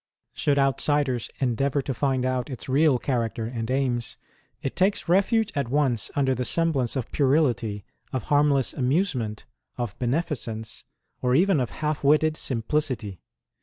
Should outsiders endeavour to find out its real character and aims, it takes refuge at once under the semblance of puerility, of harmless amusement, of beneficence, or even of half witted simplicity.